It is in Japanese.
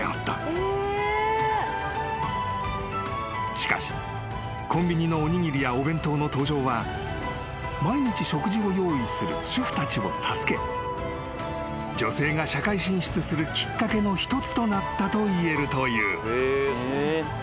［しかしコンビニのおにぎりやお弁当の登場は毎日食事を用意する主婦たちを助け女性が社会進出するきっかけの一つとなったと言えるという］